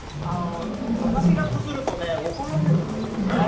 私がこすると怒られるんですよね。